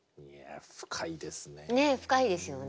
深いですね。